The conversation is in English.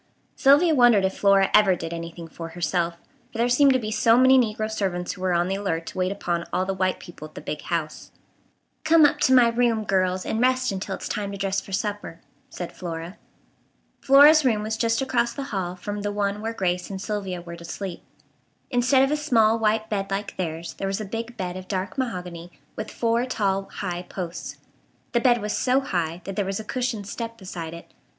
Sylvia wondered if Flora ever did anything for herself; for there seemed to be so many negro servants who were on the alert to wait upon all the white people at the "big house." "Come up to my room, girls, and rest until it's time to dress for supper," said Flora. Flora's room was just across the hall from the one where Grace and Sylvia were to sleep. Instead of a small white bed like theirs there was a big bed of dark mahogany with four tall, high posts. The bed was so high that there was a cushioned step beside it.